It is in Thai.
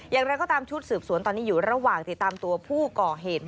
อย่างไรก็ตามชุดสืบสวนตอนนี้อยู่ระหว่างติดตามตัวผู้ก่อเหตุ